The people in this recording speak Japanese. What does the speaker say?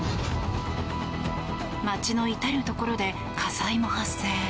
街の至るところで火災も発生。